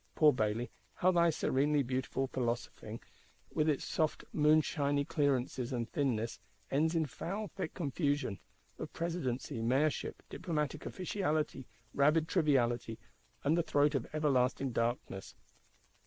Poor Bailly, how thy serenely beautiful Philosophising, with its soft moonshiny clearness and thinness, ends in foul thick confusion—of Presidency, Mayorship, diplomatic Officiality, rabid Triviality, and the throat of everlasting Darkness!